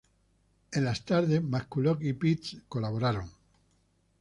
En las tardes McCulloch y Pitts colaboraron.